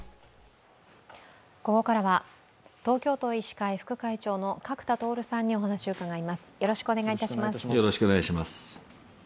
ここからは東京都医師会副会長の角田徹さんに話を伺います。